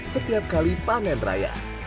setiap kali panen raya